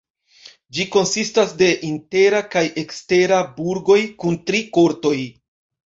Ĝi konsistas de intera kaj ekstera burgoj kun tri kortoj.